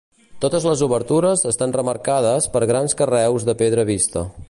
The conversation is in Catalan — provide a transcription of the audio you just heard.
Totes les obertures estan remarcades per grans carreus de pedra vista.